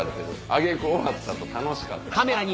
挙げ句終わった後「楽しかった」。